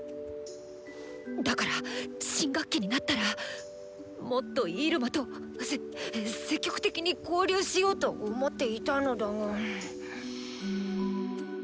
だから新学期になったらもっとイルマとせ積極的に交流しようと思っていたのだが。